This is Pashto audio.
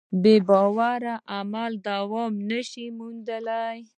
بېباوره عمل دوام نهشي موندلی.